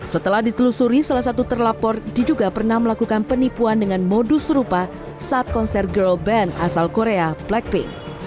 setelah ditelusuri salah satu terlapor diduga pernah melakukan penipuan dengan modus serupa saat konser girl band asal korea blackpink